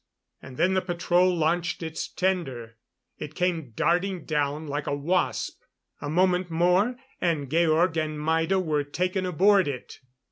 And then the patrol launched its tender. It came darting down like a wasp. A moment more, and Georg and Maida were taken aboard it.